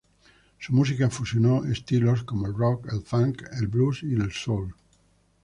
Su música fusionó estilos como el rock, el funk, el blues y soul.